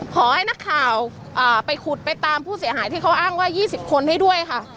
ขอให้นักข่าวไปขุดไปตามผู้เสียหายที่เขาอ้างว่า๒๐คนให้ด้วยค่ะ